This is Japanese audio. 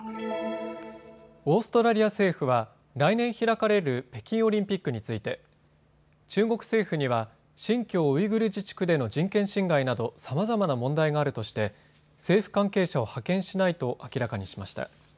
オーストラリア政府は来年開かれる北京オリンピックについて中国政府には新疆ウイグル自治区での人権侵害などさまざまな問題があるとして政府関係者を派遣しないと明らかにしました。